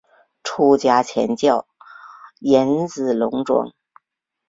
出家前叫岩仔龙庄。